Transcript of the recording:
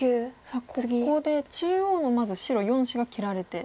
さあここで中央のまず白４子が切られて。